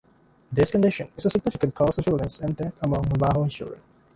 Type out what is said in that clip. This condition is a significant cause of illness and death among Navajo children.